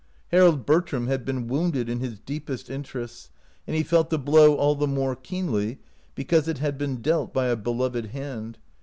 Harold Bertram had been wounded in his deepest interests, and he felt the blow all the more keenly because it had been dealt by a beloved hand.